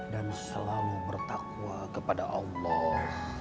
dan selalu bertakwa kepada allah